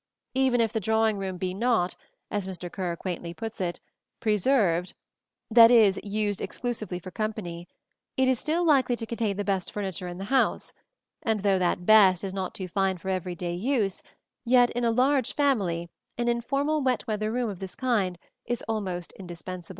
Even if the drawing room be not, as Mr. Kerr quaintly puts it, "preserved" that is, used exclusively for company it is still likely to contain the best furniture in the house; and though that "best" is not too fine for every day use, yet in a large family an informal, wet weather room of this kind is almost indispensable.